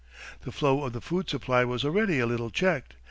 The flow of the food supply was already a little checked.